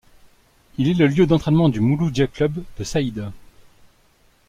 Il est le lieu d’entraînement du Mouloudia Club de Saïda.